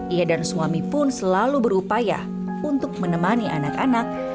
ia dan suami pun selalu berupaya untuk menemani anak anak